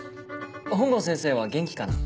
本郷先生は元気かな。